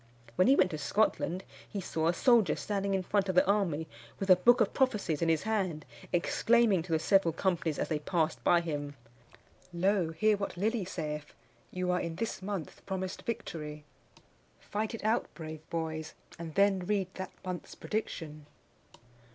When he went to Scotland, he saw a soldier standing in front of the army with a book of prophecies in his hand, exclaiming to the several companies as they passed by him, "Lo! hear what Lilly saith: you are in this month promised victory! Fight it out, brave boys! and then read that month's prediction!"